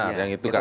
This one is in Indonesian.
benar yang itu kan